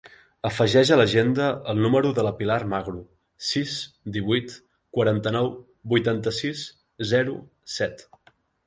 Afegeix a l'agenda el número de la Pilar Magro: sis, divuit, quaranta-nou, vuitanta-sis, zero, set.